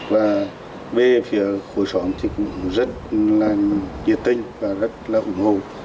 và về khối xóm thì cũng rất là nhiệt tinh và rất là ủng hộ